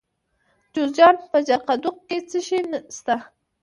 د جوزجان په جرقدوق کې څه شی شته؟